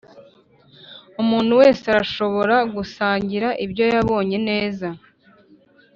umuntu wese arashobora gusangira ibyo yabonye neza,